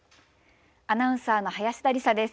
アナウンサーの林田理沙です。